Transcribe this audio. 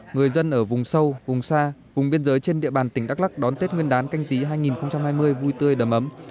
người dân ở vùng sâu vùng xa vùng biên giới trên địa bàn tỉnh đắk lắc đón tết nguyên đán canh tí hai nghìn hai mươi vui tươi đầm ấm